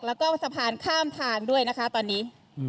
แล้วก็สะพานข้ามทางด้วยนะคะตอนนี้